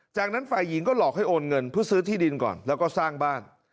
จากนั้นฝ่ายหญิงก็หลอกให้โอนเงินเพื่อซื้อที่ดินก่อนแล้วก็สร้างบ้าน